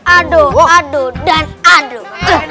aduh aduh dan aduh